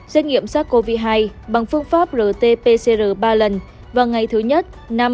xét nghiệm sars cov hai bằng phương pháp rt pcr ba lần vào ngày thứ nhất năm một mươi